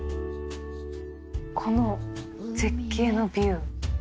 この絶景のビュー。